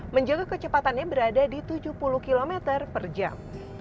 menjaga kecepatannya berada di tujuh puluh km per jam